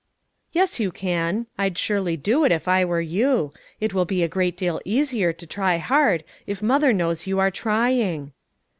"Yes, you can; I'd surely do it if I were you. It will be a great deal easier to try hard if mother knows you are trying."